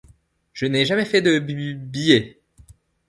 Je n’ai jamais fait de bi, bi, billets.